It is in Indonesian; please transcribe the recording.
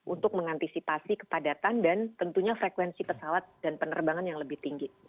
untuk mengantisipasi kepadatan dan tentunya frekuensi pesawat dan penerbangan yang lebih tinggi